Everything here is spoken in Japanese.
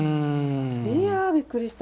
いやぁ、びっくりした。